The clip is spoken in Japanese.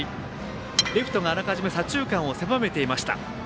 レフトがあらかじめ左中間を狭めていました。